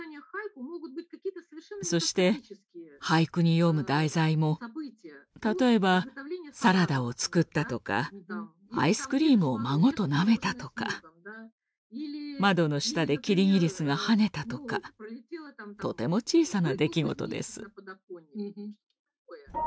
そして俳句に詠む題材も例えばサラダを作ったとかアイスクリームを孫となめたとか窓の下でキリギリスが跳ねたとかとても小さな出来事です。